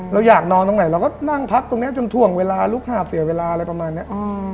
เราอยากนอนตรงไหนเราก็นั่งพักตรงนี้จนถ่วงเวลาลูกหาบเสียเวลาอะไรประมาณนี้